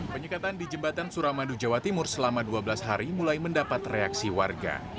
penyekatan di jembatan suramadu jawa timur selama dua belas hari mulai mendapat reaksi warga